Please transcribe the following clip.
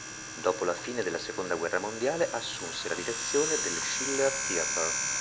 Dopo la fine della seconda guerra mondiale assunse la direzione del Schiller Theatre.